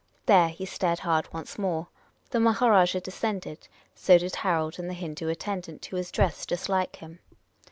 There he stared hard once more. The Ma harajah descended; so did Harold and the Hindoo attendant, who was dressed just like him.